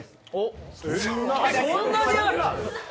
そんなにある？